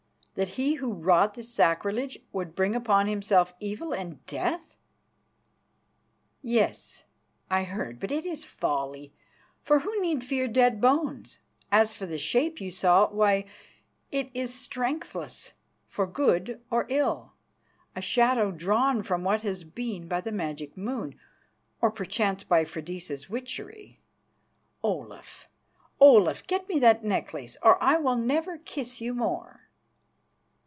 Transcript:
"That he who wrought this sacrilege would bring upon himself evil and death?" "Yes, I heard; but it is folly, for who need fear dead bones? As for the shape you saw, why, it is strengthless for good or ill, a shadow drawn from what has been by the magic moon, or perchance by Freydisa's witchery. Olaf, Olaf, get me that necklace or I will never kiss you more."